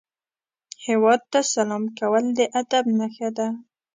هیواد ته سلام کول د ادب نښه ده